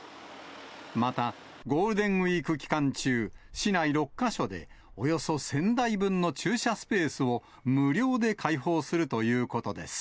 また、ゴールデンウィーク期間中、市内６か所で、およそ１０００台分の駐車スペースを無料で開放するということです。